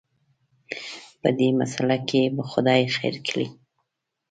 په دې مساله کې به خدای خیر کړي.